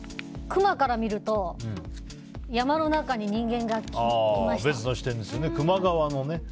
クマから見ると山の中に人間がいました。